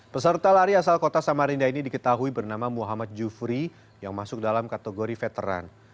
peserta lari asal kota samarinda ini diketahui bernama muhammad jufri yang masuk dalam kategori veteran